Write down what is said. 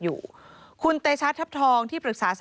เผื่อเขายังไม่ได้งาน